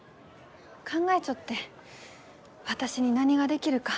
考えちょって私に何ができるか。